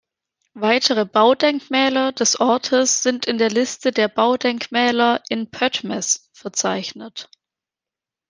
Weitere Baudenkmäler des Ortes sind in der Liste der Baudenkmäler in Pöttmes verzeichnet.